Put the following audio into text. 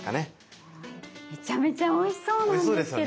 めちゃめちゃおいしそうなんですけど。